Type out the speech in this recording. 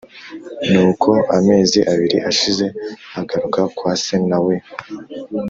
Nuko amezi abiri ashize agaruka kwa se na we